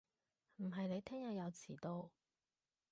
唔係你聽日又遲到